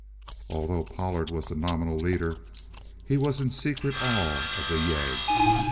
Although Pollard was the nominal leader, he was in secret awe of the yegg.